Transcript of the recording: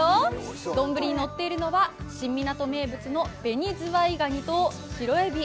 丼にのっているのは新湊名物のベニズワイガニとシロエビ。